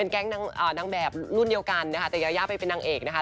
แก๊งนางแบบรุ่นเดียวกันนะคะแต่ยายาไปเป็นนางเอกนะคะ